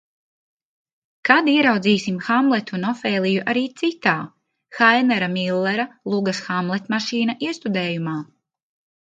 Kad ieraudzīsim Hamletu un Ofēliju arī citā, Hainera Millera lugas "Hamletmašīna", iestudējumā?